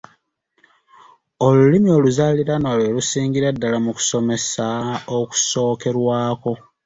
Olulimi oluzaaliranwa lwe lusingira ddala mu kusomesa okusookerwako.